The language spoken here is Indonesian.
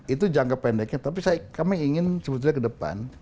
itu jangka pendeknya tapi kami ingin sebetulnya ke depan